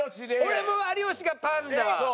俺も有吉がパンダ。